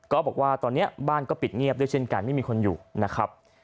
ก็บอกว่าตอนนี้บ้านก็ปิดเงียบด้วยเช่นกันไม่มีคนอยู่นะครับ